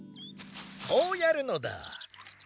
こうやるのだ。